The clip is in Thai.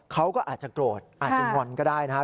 เขาก็อาจจะโกรธอาจจะงอนก็ได้นะครับ